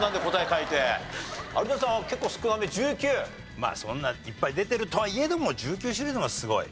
まあそんないっぱい出てるとはいえども１９種類の方がすごい。